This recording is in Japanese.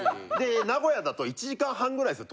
名古屋だと１時間半ぐらいですよ